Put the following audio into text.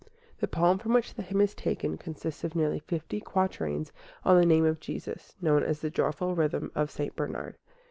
The poem from which the hymn is taken consists of nearly fifty quatrains on the name of Jesus, known as the Joyful Rhythm of St. Bernard.